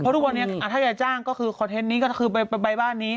เพราะทุกวันนี้ถ้าจะจ้างก็คือคอเทสนี้ก็คือใบบ้านนี้